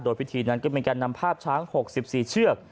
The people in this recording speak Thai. พิธีนั้นก็มีการนำภาพช้าง๖๔เชือก